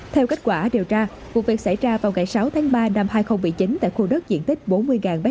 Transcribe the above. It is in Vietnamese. theo kết quả điều tra vụ việc xảy ra vào ngày sáu tháng ba năm hai nghìn một mươi chín tại khu đất diện tích bốn mươi m hai